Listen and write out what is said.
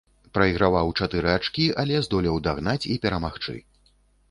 Прайграваў чатыры ачкі, але здолеў дагнаць і перамагчы.